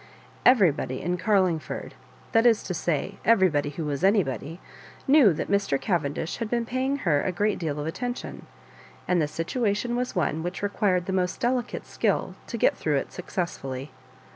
'Everybody in Carling ford (that is to say, everybody who was any body) knew that Mr. Cavendish had been paying her a great deal of attention, and the situation was one which required the most delicate skill to get through it successfully.